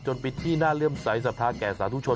จนไปที่หน้าเลื่อมใสศาสตร์แก่ศาสตร์ทุกชน